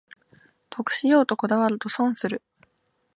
得しようとこだわると損する